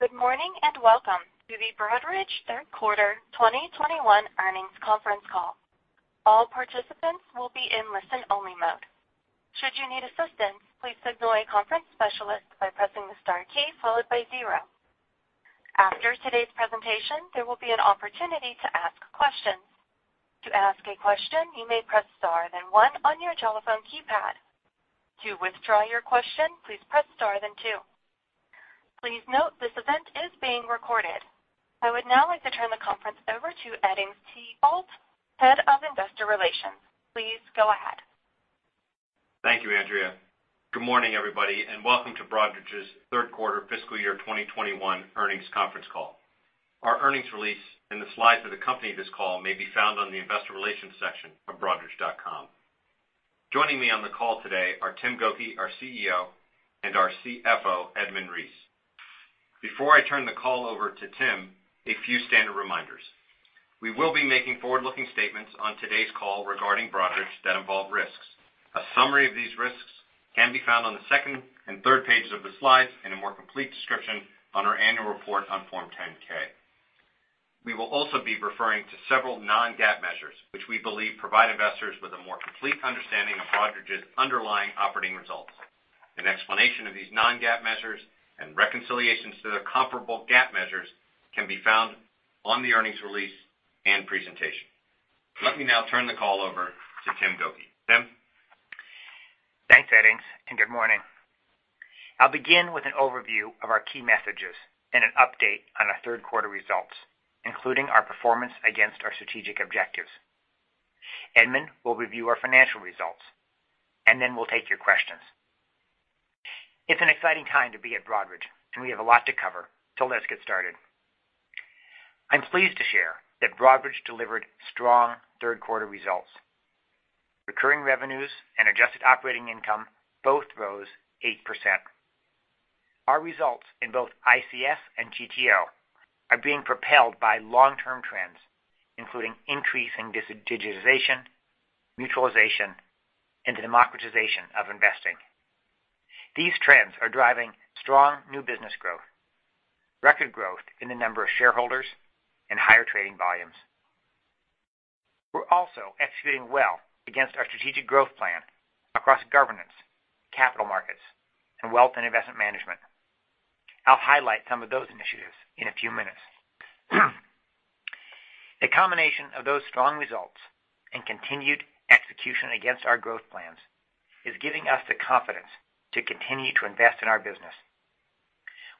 Good morning, welcome to the Broadridge third quarter 2021 earnings conference call. All participants will be in listen only mode. Should you need assistance please inform conference specialist by pressing star key followed by zero. After today's presentation, there will be an opportunity to ask questions. To ask a question you may press star then one on your telephone keypad. To withdraw your question please press star then two. Please note this event is being recorded. I would now like to turn the conference over to Edings Thibault, Head of Investor Relations. Please go ahead. Thank you, Andrea. Good morning, everybody, and welcome to Broadridge's third quarter fiscal year 2021 earnings conference call. Our earnings release and the slides that accompany this call may be found on the investor relations section of broadridge.com. Joining me on the call today are Tim Gokey, our CEO, and our CFO, Edmund Reese. Before I turn the call over to Tim, a few standard reminders. We will be making forward-looking statements on today's call regarding Broadridge that involve risks. A summary of these risks can be found on the second and third pages of the slides in a more complete description on our annual report on Form 10-K. We will also be referring to several non-GAAP measures, which we believe provide investors with a more complete understanding of Broadridge's underlying operating results. An explanation of these non-GAAP measures and reconciliations to their comparable GAAP measures can be found on the earnings release and presentation. Let me now turn the call over to Tim Gokey. Tim? Thanks, Edings, good morning. I'll begin with an overview of our key messages and an update on our third quarter results, including our performance against our strategic objectives. Edmund will review our financial results, then we'll take your questions. It's an exciting time to be at Broadridge, we have a lot to cover. Let's get started. I'm pleased to share that Broadridge delivered strong third quarter results. Recurring revenues and adjusted operating income both rose 8%. Our results in both ICS and GTO are being propelled by long-term trends, including increasing digitization, mutualization, and democratization of investing. These trends are driving strong new business growth, record growth in the number of shareholders, and higher trading volumes. We're also executing well against our strategic growth plan across governance, capital markets, and wealth and investment management. I'll highlight some of those initiatives in a few minutes. The combination of those strong results and continued execution against our growth plans is giving us the confidence to continue to invest in our business.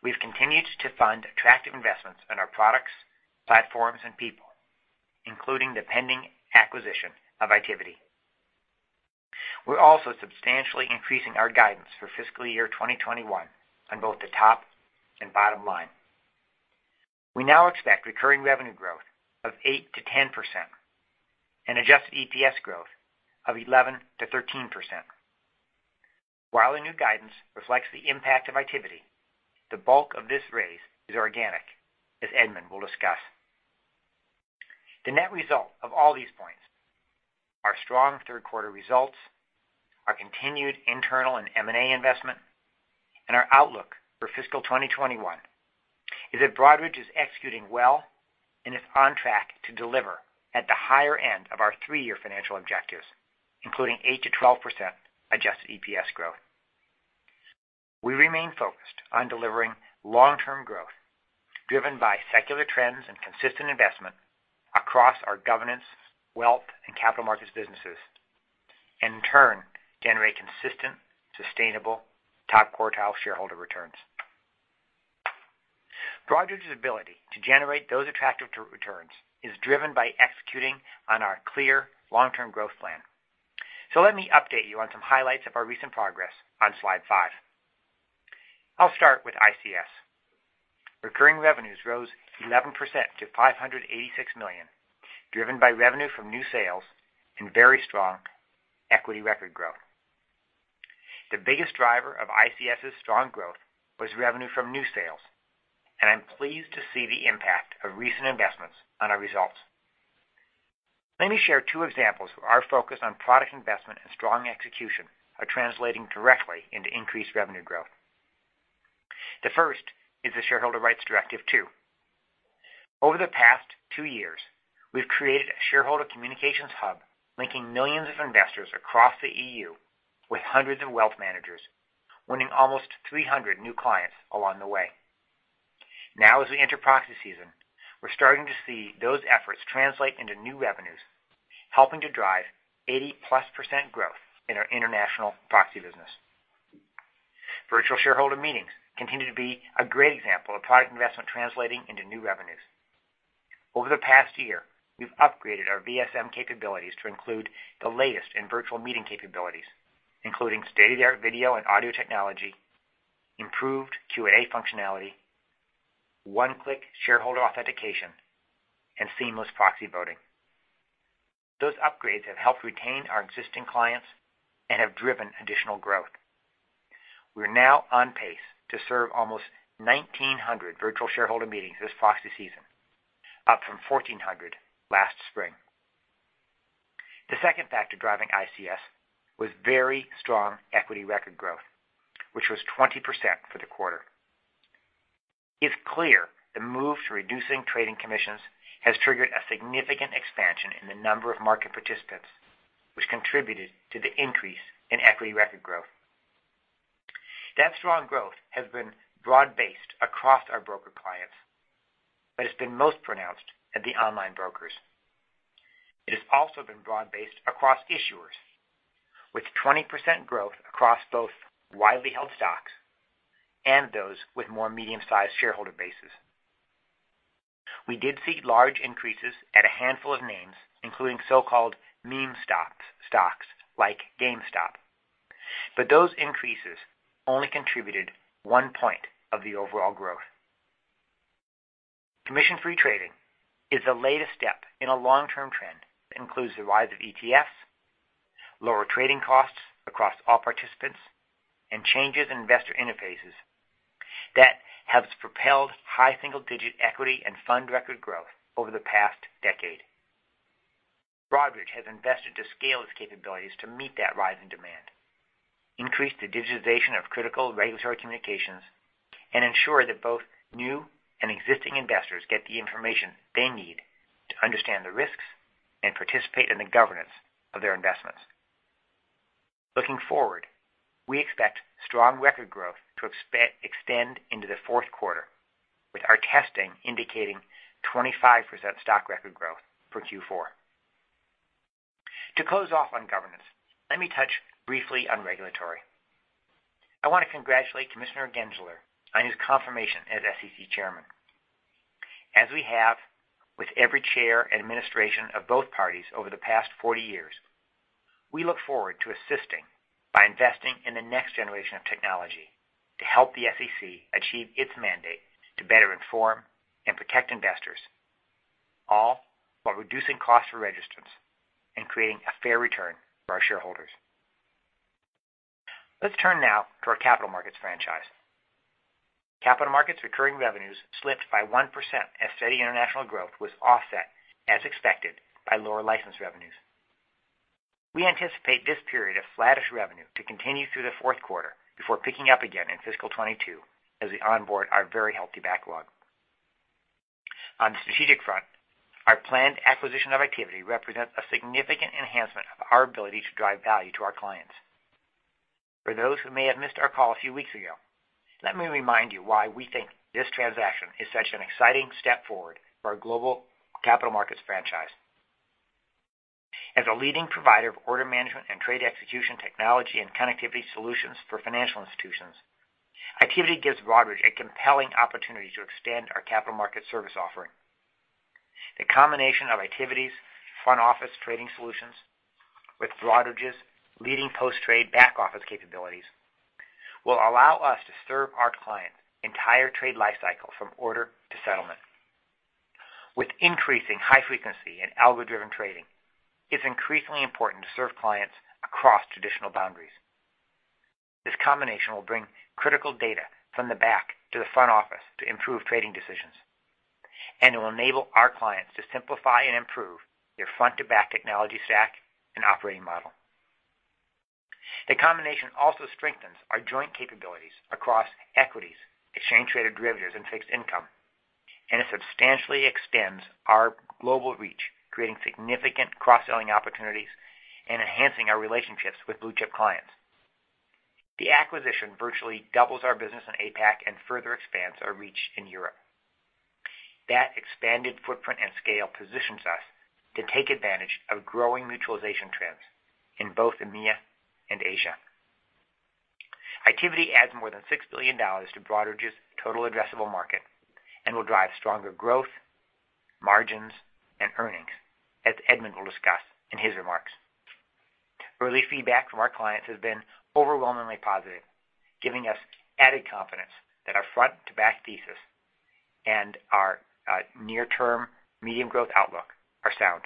We've continued to fund attractive investments in our products, platforms, and people, including the pending acquisition of Itiviti. We're also substantially increasing our guidance for fiscal year 2021 on both the top and bottom line. We now expect recurring revenue growth of 8%-10% and adjusted EPS growth of 11%-13%. While the new guidance reflects the impact of Itiviti, the bulk of this raise is organic, as Edmund will discuss. The net result of all these points, our strong third quarter results, our continued internal and M&A investment, and our outlook for fiscal 2021 is that Broadridge is executing well and is on track to deliver at the higher end of our three-year financial objectives, including 8%-12% adjusted EPS growth. We remain focused on delivering long-term growth, driven by secular trends and consistent investment across our governance, wealth, and capital markets businesses, and in turn, generate consistent, sustainable, top-quartile shareholder returns. Broadridge's ability to generate those attractive returns is driven by executing on our clear long-term growth plan. Let me update you on some highlights of our recent progress on slide five. I'll start with ICS. Recurring revenues rose 11% to $586 million, driven by revenue from new sales and very strong equity record growth. The biggest driver of ICS's strong growth was revenue from new sales, and I'm pleased to see the impact of recent investments on our results. Let me share two examples where our focus on product investment and strong execution are translating directly into increased revenue growth. The first is the Shareholder Rights Directive II. Over the past two years, we've created a shareholder communications hub linking millions of investors across the EU with hundreds of wealth managers, winning almost 300 new clients along the way. Now, as we enter proxy season, we're starting to see those efforts translate into new revenues, helping to drive 80% plus growth in our international proxy business. Virtual shareholder meetings continue to be a great example of product investment translating into new revenues. Over the past year, we've upgraded our VSM capabilities to include the latest in virtual meeting capabilities, including state-of-the-art video and audio technology, improved Q&A functionality, one-click shareholder authentication, and seamless proxy voting. Those upgrades have helped retain our existing clients and have driven additional growth. We're now on pace to serve almost 1,900 virtual shareholder meetings this proxy season, up from 1,400 last spring. The second factor driving ICS was very strong equity record growth, which was 20% for the quarter. It's clear the move to reducing trading commissions has triggered a significant expansion in the number of market participants, which contributed to the increase in equity record growth. That strong growth has been broad-based across our broker clients, but it's been most pronounced at the online brokers. It has also been broad-based across issuers, with 20% growth across both widely held stocks and those with more medium-sized shareholder bases. We did see large increases at a handful of names, including so-called meme stocks like GameStop. Those increases only contributed one point of the overall growth. Commission-free trading is the latest step in a long-term trend that includes the rise of ETFs, lower trading costs across all participants, and changes in investor interfaces that has propelled high single-digit equity and fund record growth over the past decade. Broadridge has invested to scale its capabilities to meet that rise in demand, increase the digitization of critical regulatory communications, and ensure that both new and existing investors get the information they need to understand the risks and participate in the governance of their investments. Looking forward, we expect strong record growth to extend into the fourth quarter with our testing indicating 25% stock record growth for Q4. To close off on governance, let me touch briefly on regulatory. I want to congratulate Commissioner Gensler on his confirmation as SEC chairman. As we have with every chair and administration of both parties over the past 40 years, we look forward to assisting by investing in the next generation of technology to help the SEC achieve its mandate to better inform and protect investors, all while reducing costs for registrants and creating a fair return for our shareholders. Let's turn now to our capital markets franchise. Capital markets recurring revenues slipped by 1% as steady international growth was offset, as expected, by lower license revenues. We anticipate this period of flattish revenue to continue through the fourth quarter before picking up again in fiscal 2022 as we onboard our very healthy backlog. On the strategic front, our planned acquisition of Itiviti represents a significant enhancement of our ability to drive value to our clients. For those who may have missed our call a few weeks ago, let me remind you why we think this transaction is such an exciting step forward for our global capital markets franchise. As a leading provider of order management and trade execution technology and connectivity solutions for financial institutions, Itiviti gives Broadridge a compelling opportunity to extend our capital market service offering. The combination of Itiviti's front-office trading solutions with Broadridge's leading post-trade back-office capabilities will allow us to serve our client entire trade life cycle from order to settlement. With increasing high frequency and algo-driven trading, it's increasingly important to serve clients across traditional boundaries. This combination will bring critical data from the back to the front office to improve trading decisions, and it will enable our clients to simplify and improve their front-to-back technology stack and operating model. The combination also strengthens our joint capabilities across equities, exchange-traded derivatives, and fixed income, and it substantially extends our global reach, creating significant cross-selling opportunities and enhancing our relationships with blue-chip clients. The acquisition virtually doubles our business in APAC and further expands our reach in Europe. That expanded footprint and scale positions us to take advantage of growing mutualization trends in both EMEA and Asia. Itiviti adds more than $6 billion to Broadridge's total addressable market and will drive stronger growth, margins, and earnings, as Edmund will discuss in his remarks. Early feedback from our clients has been overwhelmingly positive, giving us added confidence that our front-to-back thesis and our near-term medium growth outlook are sound.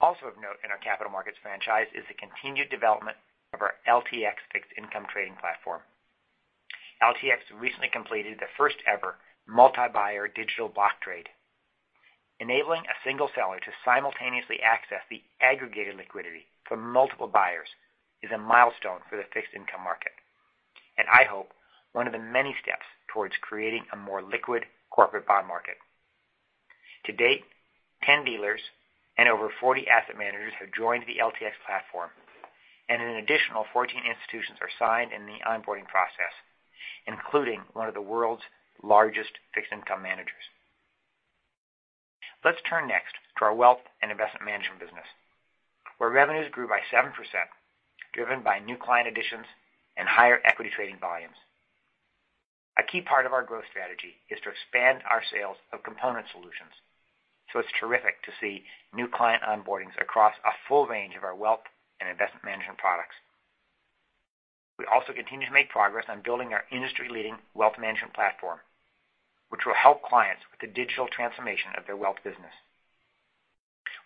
Also of note in our capital markets franchise is the continued development of our LTX fixed income trading platform. LTX recently completed the first-ever multi-buyer digital block trade. Enabling a single seller to simultaneously access the aggregated liquidity from multiple buyers is a milestone for the fixed income market, and I hope one of the many steps towards creating a more liquid corporate bond market. To date, 10 dealers and over 40 asset managers have joined the LTX platform, and an additional 14 institutions are signed in the onboarding process, including one of the world's largest fixed income managers. Let's turn next to our wealth and investment management business, where revenues grew by 7%, driven by new client additions and higher equity trading volumes. A key part of our growth strategy is to expand our sales of component solutions, so it's terrific to see new client onboardings across a full range of our wealth and investment management products. We also continue to make progress on building our industry-leading wealth management platform, which will help clients with the digital transformation of their wealth business.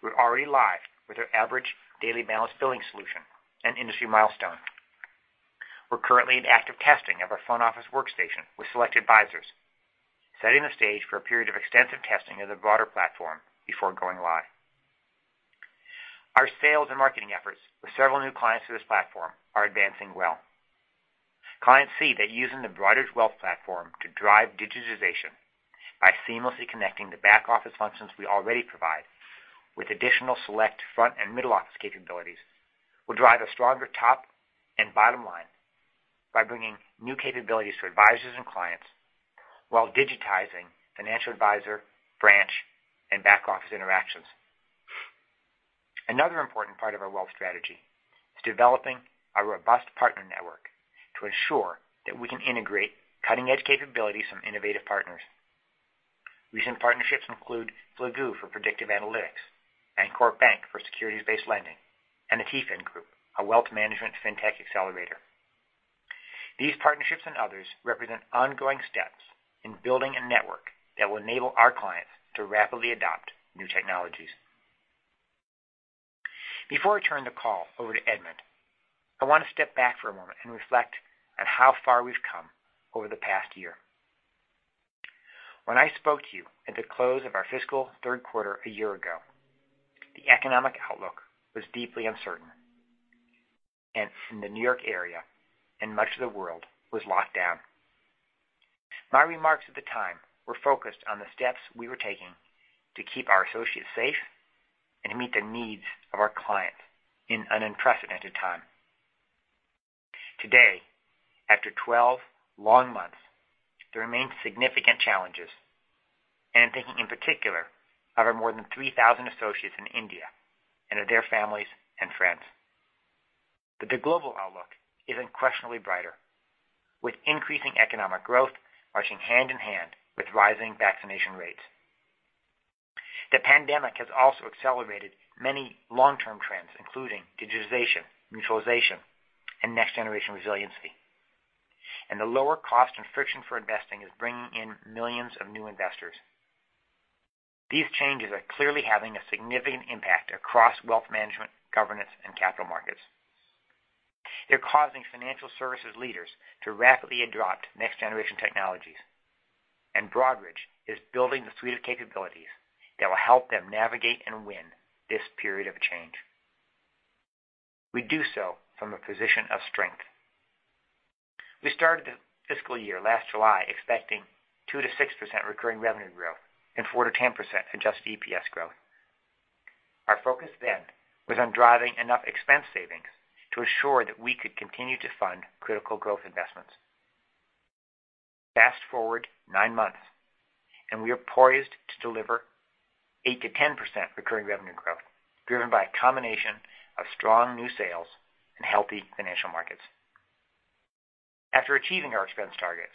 We're already live with our average daily balance billing solution, an industry milestone. We're currently in active testing of our front-office workstation with select advisors, setting the stage for a period of extensive testing of the broader platform before going live. Our sales and marketing efforts with several new clients to this platform are advancing well. Clients see that using the Broadridge Wealth Platform to drive digitization by seamlessly connecting the back-office functions we already provide, with additional select front- and middle-office capabilities, will drive a stronger top and bottom line by bringing new capabilities to advisors and clients while digitizing financial advisor, branch, and back-office interactions. Another important part of our wealth strategy is developing a robust partner network to ensure that we can integrate cutting-edge capabilities from innovative partners. Recent partnerships include Fligoo for predictive analytics, CorpBank for securities-based lending, and the TIFIN Group, a wealth management fintech accelerator. These partnerships, and others, represent ongoing steps in building a network that will enable our clients to rapidly adopt new technologies. Before I turn the call over to Edmund, I want to step back for a moment and reflect on how far we've come over the past year. When I spoke to you at the close of our fiscal third quarter a year ago, the economic outlook was deeply uncertain, and the New York area, and much of the world, was locked down. My remarks at the time were focused on the steps we were taking to keep our associates safe and to meet the needs of our clients in an unprecedented time. Today, after 12 long months, there remain significant challenges, and I'm thinking in particular of our more than 3,000 associates in India and of their families and friends. The global outlook is unquestionably brighter, with increasing economic growth marching hand-in-hand with rising vaccination rates. The pandemic has also accelerated many long-term trends, including digitization, mutualization, and next-generation resiliency. The lower cost and friction for investing is bringing in millions of new investors. These changes are clearly having a significant impact across wealth management, governance, and capital markets. They're causing financial services leaders to rapidly adopt next-generation technologies, and Broadridge is building the suite of capabilities that will help them navigate and win this period of change. We do so from a position of strength. We started the fiscal year last July expecting 2%-6% recurring revenue growth and 4%-10% adjusted EPS growth. Our focus then was on driving enough expense savings to assure that we could continue to fund critical growth investments. Fast-forward nine months, we are poised to deliver 8%-10% recurring revenue growth, driven by a combination of strong new sales and healthy financial markets. After achieving our expense targets,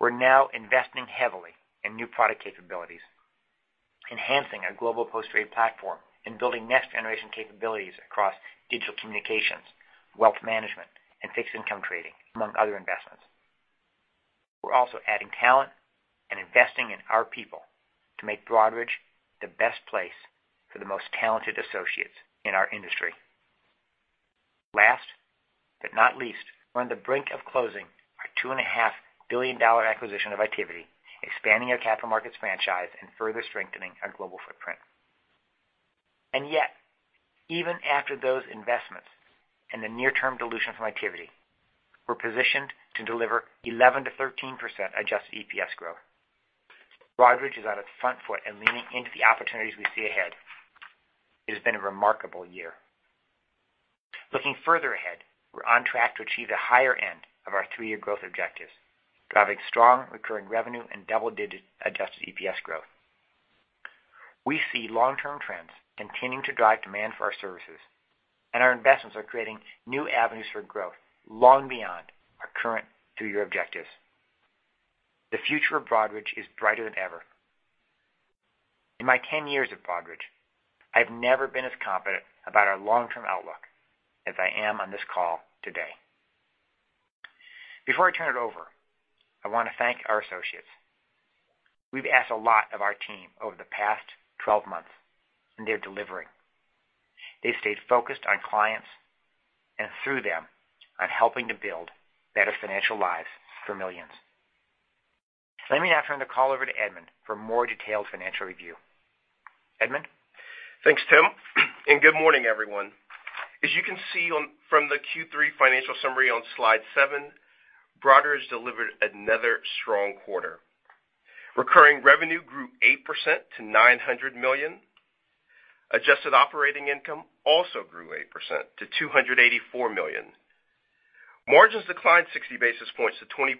we're now investing heavily in new product capabilities, enhancing our global post-trade platform, and building next-generation capabilities across digital communications, wealth management, and fixed income trading, among other investments. We're also adding talent and investing in our people to make Broadridge the best place for the most talented associates in our industry. Last but not least, we're on the brink of closing our $2.5 billion acquisition of Itiviti, expanding our capital markets franchise, and further strengthening our global footprint. Even after those investments and the near-term dilution from Itiviti, we're positioned to deliver 11%-13% adjusted EPS growth. Broadridge is on its front foot and leaning into the opportunities we see ahead. It has been a remarkable year. Looking further ahead, we're on track to achieve the higher end of our three-year growth objectives, driving strong recurring revenue and double-digit adjusted EPS growth. We see long-term trends continuing to drive demand for our services, and our investments are creating new avenues for growth long beyond our current three-year objectives. The future of Broadridge is brighter than ever. In my 10 years at Broadridge, I've never been as confident about our long-term outlook as I am on this call today. Before I turn it over, I want to thank our associates. We've asked a lot of our team over the past 12 months. They're delivering. They've stayed focused on clients and through them, on helping to build better financial lives for millions. Let me now turn the call over to Edmund for a more detailed financial review. Edmund? Thanks, Tim, and good morning, everyone. As you can see from the Q3 financial summary on slide seven, Broadridge delivered another strong quarter. Recurring revenue grew 8% to $900 million. Adjusted operating income also grew 8% to $284 million. Margins declined 60 basis points to 20.4%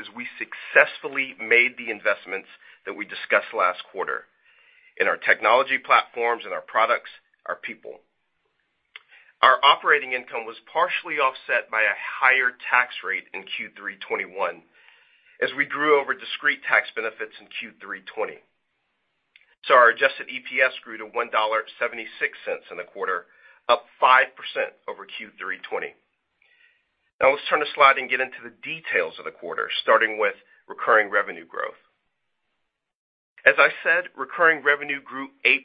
as we successfully made the investments that we discussed last quarter in our technology platforms, in our products, our people. Our operating income was partially offset by a higher tax rate in Q3 2021 as we grew over discrete tax benefits in Q3 2020. Our adjusted EPS grew to $1.76 in the quarter, up 5% over Q3 2020. Now let's turn the slide and get into the details of the quarter, starting with recurring revenue growth. As I said, recurring revenue grew 8%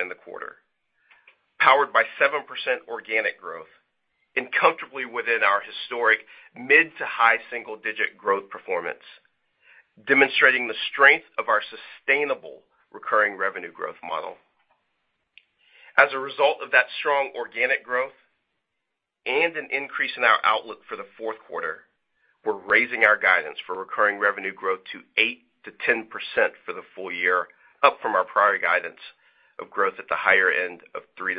in the quarter, powered by 7% organic growth and comfortably within our historic mid to high single-digit growth performance, demonstrating the strength of our sustainable recurring revenue growth model. As a result of that strong organic growth and an increase in our outlook for the fourth quarter, we're raising our guidance for recurring revenue growth to 8%-10% for the full year, up from our prior guidance of growth at the higher end of 3%-6%.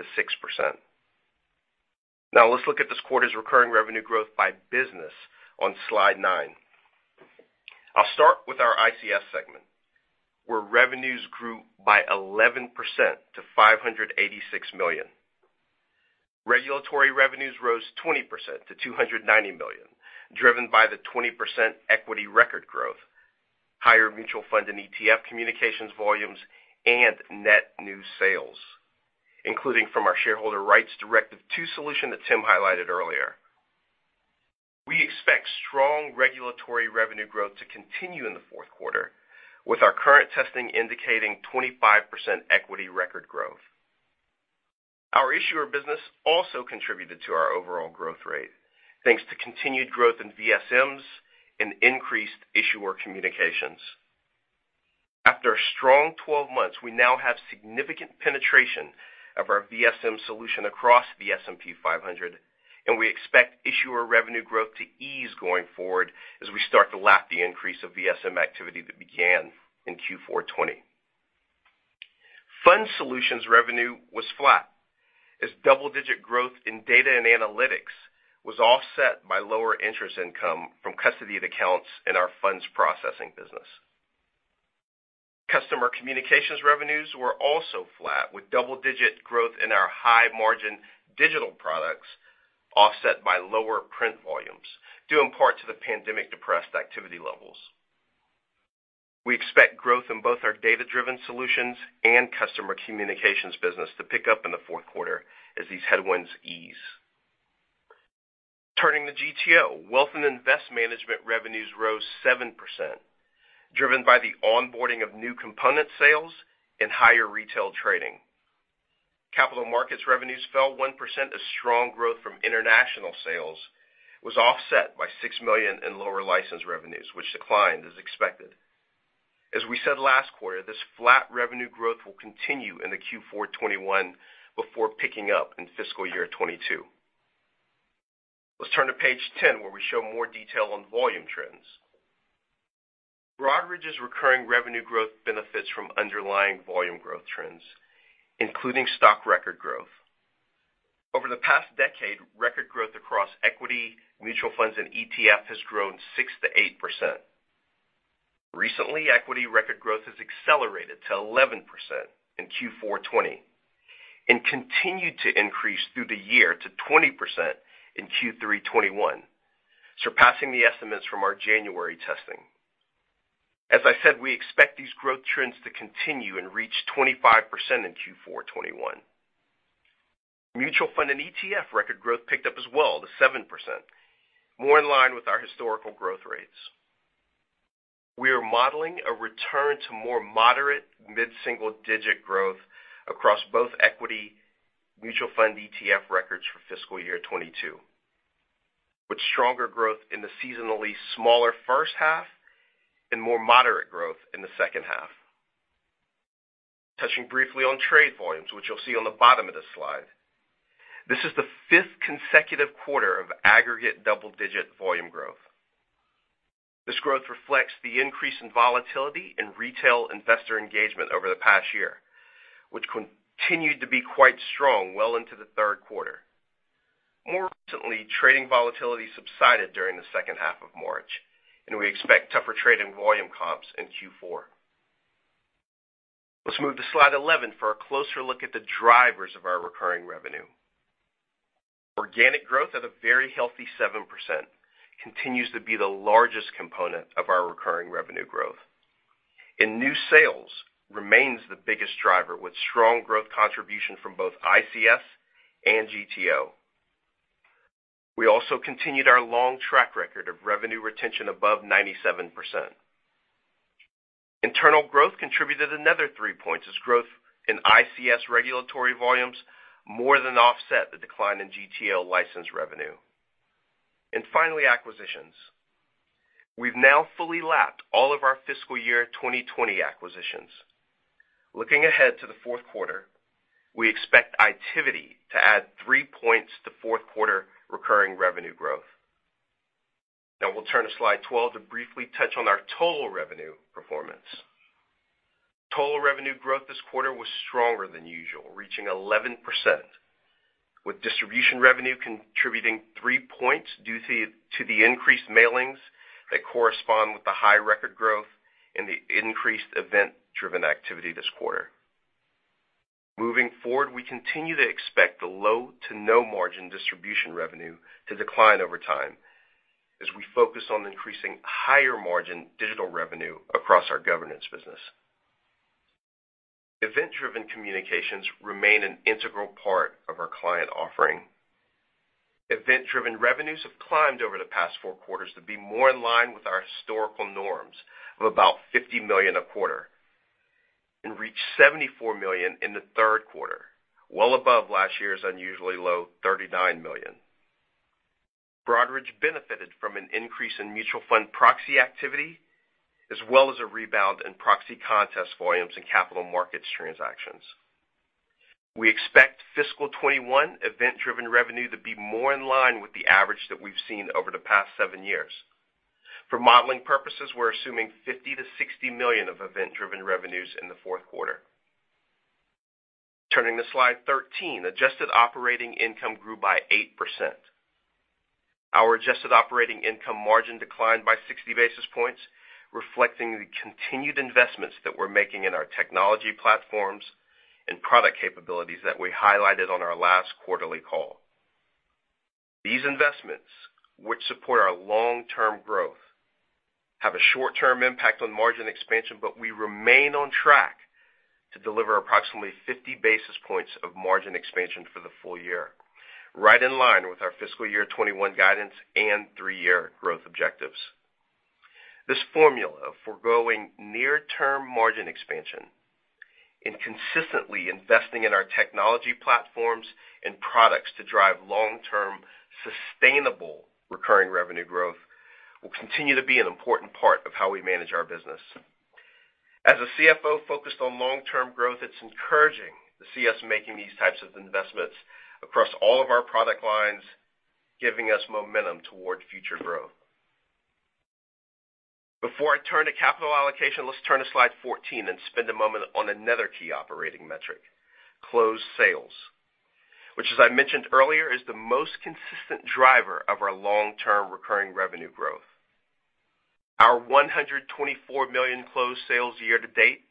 Now let's look at this quarter's recurring revenue growth by business on slide nine. I'll start with our ICS segment, where revenues grew by 11% to $586 million. Regulatory revenues rose 20% to $290 million, driven by the 20% equity record growth, higher mutual fund and ETF communications volumes, and net new sales, including from our Shareholder Rights Directive II solution that Tim highlighted earlier. We expect strong regulatory revenue growth to continue in the fourth quarter, with our current testing indicating 25% equity record growth. Our issuer business also contributed to our overall growth rate, thanks to continued growth in VSMs and increased issuer communications. After a strong 12 months, we now have significant penetration of our VSM solution across the S&P 500, and we expect issuer revenue growth to ease going forward as we start to lap the increase of VSM activity that began in Q4 2020. Fund Solutions revenue was flat, as double-digit growth in data and analytics was offset by lower interest income from custodied accounts in our funds processing business. Customer Communications revenues were also flat, with double-digit growth in our high-margin digital products offset by lower print volumes, due in part to the pandemic-depressed activity levels. We expect growth in both our data-driven solutions and Customer Communications business to pick up in the fourth quarter as these headwinds ease. Turning to GTO, Wealth and Invest Management revenues rose 7%, driven by the onboarding of new component sales and higher retail trading. Capital markets revenues fell 1% as strong growth from international sales was offset by $6 million in lower license revenues, which declined as expected. As we said last quarter, this flat revenue growth will continue into Q4 2021 before picking up in fiscal year 2022. Let's turn to page 10, where we show more detail on volume trends. Broadridge's recurring revenue growth benefits from underlying volume growth trends, including stock record growth. Over the past decade, record growth across equity, mutual funds, and ETFs has grown 6%-8%. Recently, equity record growth has accelerated to 11% in Q4 2020 and continued to increase through the year to 20% in Q3 2021, surpassing the estimates from our January testing. As I said, we expect these growth trends to continue and reach 25% in Q4 2021. Mutual fund and ETFs record growth picked up as well to 7%, more in line with our historical growth rates. We are modeling a return to more moderate mid-single-digit growth across both equity mutual fund ETFs records for fiscal year 2022, with stronger growth in the seasonally smaller first half and more moderate growth in the second half. Touching briefly on trade volumes, which you'll see on the bottom of this slide. This is the fifth consecutive quarter of aggregate double-digit volume growth. This growth reflects the increase in volatility in retail investor engagement over the past year, which continued to be quite strong well into the third quarter. More recently, trading volatility subsided during the second half of March, and we expect tougher trading volume comps in Q4. Let's move to slide 11 for a closer look at the drivers of our recurring revenue. Organic growth, at a very healthy 7%, continues to be the largest component of our recurring revenue growth. New sales remains the biggest driver, with strong growth contribution from both ICS and GTO. We also continued our long track record of revenue retention above 97%. Internal growth contributed another three points as growth in ICS regulatory volumes more than offset the decline in GTO license revenue. Finally, acquisitions. We've now fully lapped all of our fiscal year 2020 acquisitions. Looking ahead to the fourth quarter, we expect Itiviti to add three points to fourth quarter recurring revenue growth. We'll turn to slide 12 to briefly touch on our total revenue performance. Total revenue growth this quarter was stronger than usual, reaching 11%, with distribution revenue contributing three points due to the increased mailings that correspond with the high record growth and the increased event-driven activity this quarter. Moving forward, we continue to expect the low to no margin distribution revenue to decline over time as we focus on increasing higher-margin digital revenue across our governance business. Event-driven communications remain an integral part of our client offering. Event-driven revenues have climbed over the past four quarters to be more in line with our historical norms of about $50 million a quarter, and reached $74 million in the third quarter, well above last year's unusually low $39 million. Broadridge benefited from an increase in mutual fund proxy activity, as well as a rebound in proxy contest volumes in capital markets transactions. We expect fiscal year 2021 event-driven revenue to be more in line with the average that we've seen over the past seven years. For modeling purposes, we're assuming $50 million-$60 million of event-driven revenues in the fourth quarter. Turning to slide 13, adjusted operating income grew by 8%. Our adjusted operating income margin declined by 60 basis points, reflecting the continued investments that we're making in our technology platforms and product capabilities that we highlighted on our last quarterly call. These investments, which support our long-term growth, have a short-term impact on margin expansion. We remain on track to deliver approximately 50 basis points of margin expansion for the full year, right in line with our fiscal year 2021 guidance and three-year growth objectives. This formula for growing near-term margin expansion and consistently investing in our technology platforms and products to drive long-term, sustainable recurring revenue growth will continue to be an important part of how we manage our business. As a CFO focused on long-term growth, it's encouraging to see us making these types of investments across all of our product lines, giving us momentum toward future growth. Before I turn to capital allocation, let's turn to slide 14 and spend a moment on another key operating metric, closed sales, which, as I mentioned earlier, is the most consistent driver of our long-term recurring revenue growth. Our $124 million closed sales year to date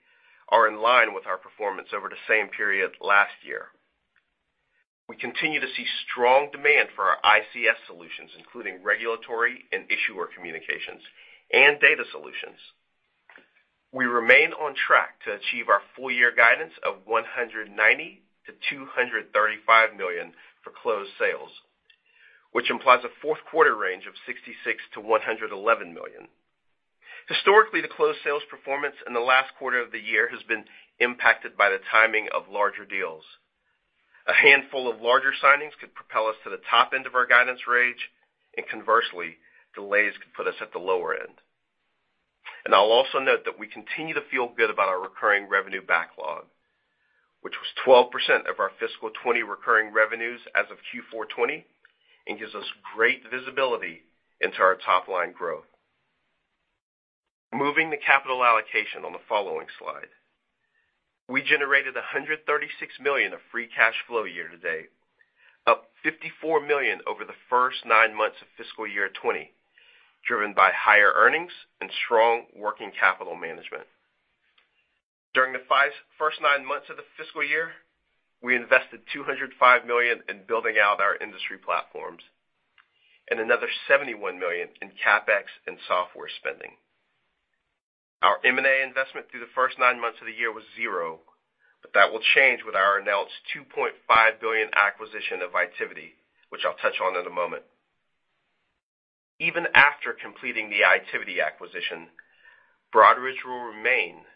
are in line with our performance over the same period last year. We continue to see strong demand for our ICS solutions, including regulatory and issuer communications, and data solutions. We remain on track to achieve our full year guidance of $190 million-$235 million for closed sales, which implies a fourth quarter range of $66 million-$111 million. Historically, the closed sales performance in the last quarter of the year has been impacted by the timing of larger deals. A handful of larger signings could propel us to the top end of our guidance range, conversely, delays could put us at the lower end. I'll also note that we continue to feel good about our recurring revenue backlog, which was 12% of our fiscal 2020 recurring revenues as of Q4 2020, and gives us great visibility into our top-line growth. Moving to capital allocation on the following slide. We generated $136 million of free cash flow year to date, up $54 million over the first nine months of fiscal year 2020, driven by higher earnings and strong working capital management. During the first nine months of the fiscal year, we invested $205 million in building out our industry platforms, and another $71 million in CapEx and software spending. Our M&A investment through the first nine months of the year was zero. That will change with our announced $2.5 billion acquisition of Itiviti, which I'll touch on in a moment. Even after completing the Itiviti acquisition, Broadridge will remain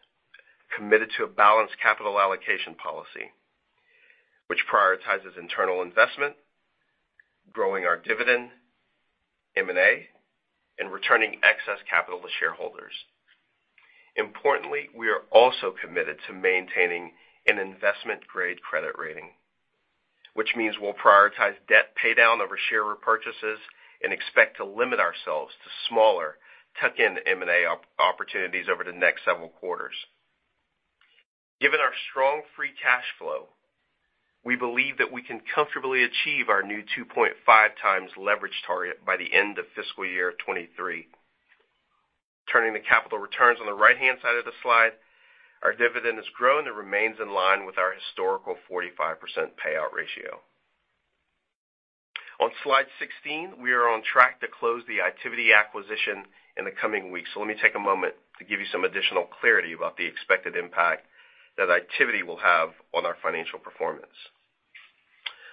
committed to a balanced capital allocation policy, which prioritizes internal investment, growing our dividend, M&A, and returning excess capital to shareholders. Importantly, we are also committed to maintaining an investment-grade credit rating, which means we'll prioritize debt paydown over share repurchases and expect to limit ourselves to smaller tuck-in M&A opportunities over the next several quarters. Given our strong free cash flow, we believe that we can comfortably achieve our new 2.5x leverage target by the end of fiscal year 2023. Turning to capital returns on the right-hand side of the slide, our dividend has grown and remains in line with our historical 45% payout ratio. On slide 16, we are on track to close the Itiviti acquisition in the coming weeks. Let me take a moment to give you some additional clarity about the expected impact that Itiviti will have on our financial performance.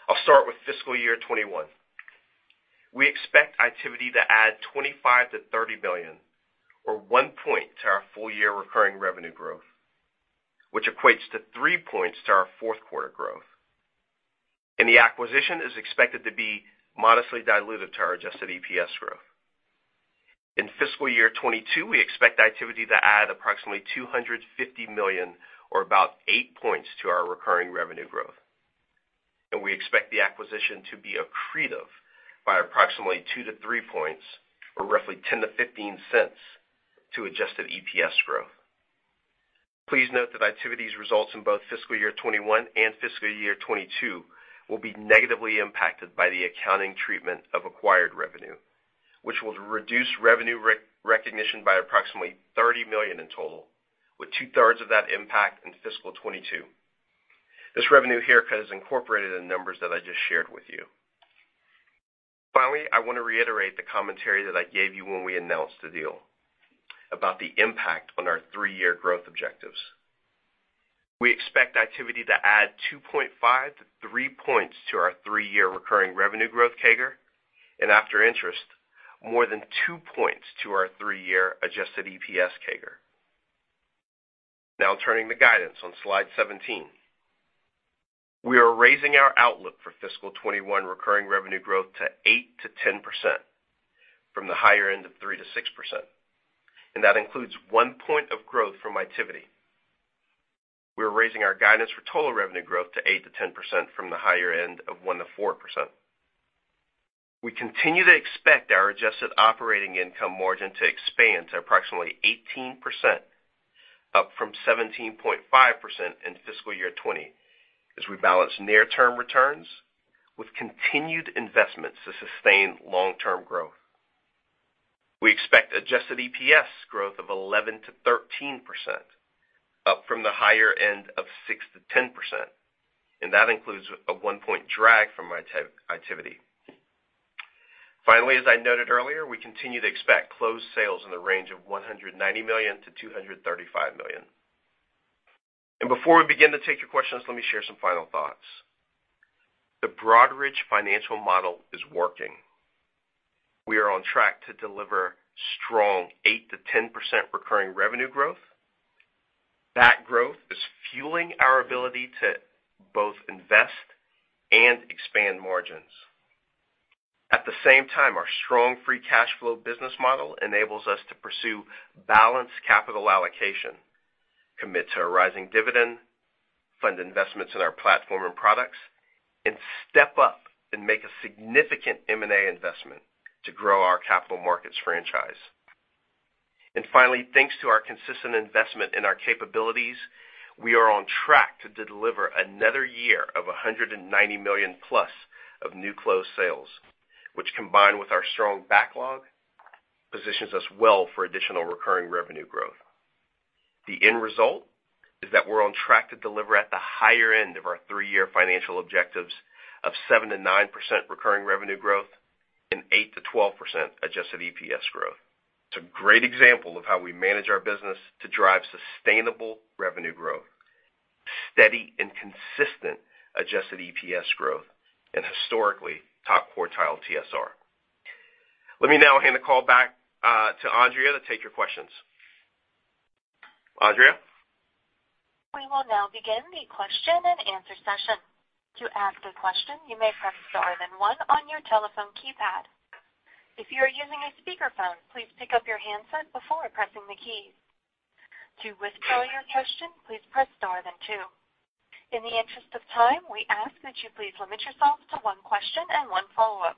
I'll start with fiscal year 2021. We expect Itiviti to add $25 billion-$30 billion, or one point to our full-year recurring revenue growth, which equates to three points to our fourth quarter growth. The acquisition is expected to be modestly dilutive to our adjusted EPS growth. In fiscal year 2022, we expect Itiviti to add approximately $250 million or about eight points to our recurring revenue growth. We expect the acquisition to be accretive by approximately two to three points, or roughly $0.10-$0.15 to adjusted EPS growth. Please note that Itiviti's results in both fiscal year 2021 and fiscal year 2022 will be negatively impacted by the accounting treatment of acquired revenue, which will reduce revenue recognition by approximately $30 million in total, with two-thirds of that impact in fiscal 2022. This revenue haircut is incorporated in the numbers that I just shared with you. Finally, I want to reiterate the commentary that I gave you when we announced the deal about the impact on our three-year growth objectives. We expect activity to add 2.5-3 points to our three-year recurring revenue growth CAGR, and after interest, more than two points to our three-year adjusted EPS CAGR. Turning to guidance on Slide 17. We are raising our outlook for fiscal 2021 recurring revenue growth to 8%-10% from the higher end of 3%-6%, and that includes one point of growth from Itiviti. We are raising our guidance for total revenue growth to 8%-10% from the higher end of 1%-4%. We continue to expect our adjusted operating income margin to expand to approximately 18%, up from 17.5% in fiscal year 2020, as we balance near-term returns with continued investments to sustain long-term growth. We expect adjusted EPS growth of 11%-13%, up from the higher end of 6%-10%, that includes a one-point drag from Itiviti. Finally, as I noted earlier, we continue to expect closed sales in the range of $190 million-$235 million. Before we begin to take your questions, let me share some final thoughts. The Broadridge financial model is working. We are on track to deliver strong 8%-10% recurring revenue growth. That growth is fueling our ability to both invest and expand margins. At the same time, our strong free cash flow business model enables us to pursue balanced capital allocation, commit to a rising dividend, fund investments in our platform and products, and step up and make a significant M&A investment to grow our capital markets franchise. Finally, thanks to our consistent investment in our capabilities, we are on track to deliver another year of $190 million plus of new closed sales, which combined with our strong backlog, positions us well for additional recurring revenue growth. The end result is that we're on track to deliver at the higher end of our three-year financial objectives of 7%-9% recurring revenue growth and 8%-12% adjusted EPS growth. It's a great example of how we manage our business to drive sustainable revenue growth, steady and consistent adjusted EPS growth, and historically top quartile TSR. Let me now hand the call back to Andrea to take your questions. Andrea? We will now begin the question and answer session. To ask a question, you may press star then one on your telephone keypad. If you are using a speakerphone, please pick up your handset before pressing the keys. To withdraw your question, please press star then two. In the interest of time, we ask that you please limit yourselves to one question and one follow-up.